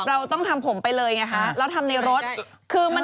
เราต้องทำผมไปเลยอย่างนี้คะ